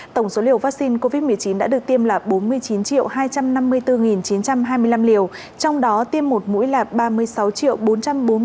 tổng số liều vaccine covid một mươi chín đã được tiêm là bốn mươi chín hai trăm năm mươi bốn chín trăm hai mươi năm liều trong đó tiêm một mũi là ba mươi sáu bốn trăm bốn mươi tám năm trăm hai mươi bảy liều